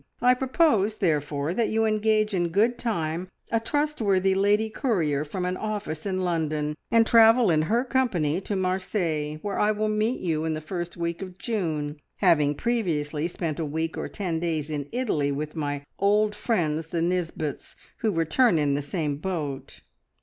I propose, therefore, that you engage in good time a trustworthy lady courier from an office in London, and travel in her company to Marseilles, where I will meet you in the first week of June, having previously spent a week or ten days in Italy with my old friends the Nisbets, who return in the same boat.